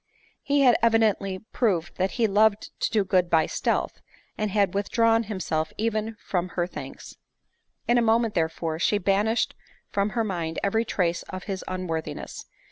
He had evidently proved that he loved to do good by stealth, and had withdrawn himself even from her thanks. In a moment, therefore, she banished from her mind every trace of his unworthiness.